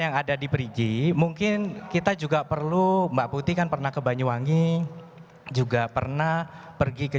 yang ada di perigi mungkin kita juga perlu mbak putih kan pernah ke banyuwangi juga pernah pergi ke